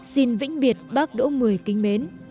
xin vĩnh biệt bác đỗ một mươi kính mến